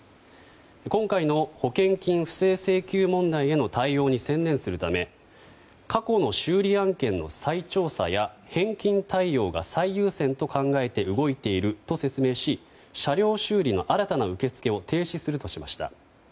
今回の保険金不正請求問題への対応に専念するため過去の修理案件の再調査や返金対応が最優先と考えて動いていると説明し車両修理の新たな受け付けを停止するとしました。